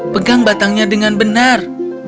pegang batangnya dengan benar